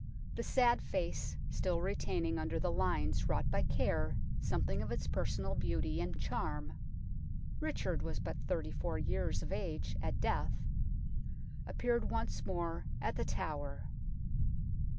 The sad face, still retaining under the lines wrought by care something of its personal beauty and charm Richard was but thirty four years of age at death appeared once more at The Tower.